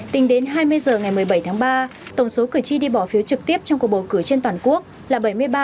tính đến hai mươi h ngày một mươi bảy tháng ba tổng số cử tri đi bỏ phiếu trực tiếp trong cuộc bầu cử trên toàn quốc là bảy mươi ba ba